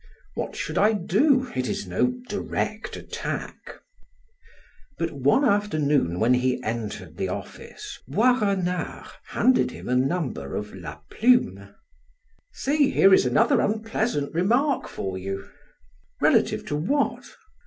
"What should I do? It is no direct attack." But, one afternoon when he entered the office, Boisrenard handed him a number of "La Plume." "See, here is another unpleasant remark for you." "Relative to what?"